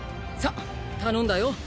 さぁ頼んだよ